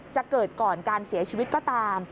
จะเกิดก่อนการเสียชีวิตก็ตาม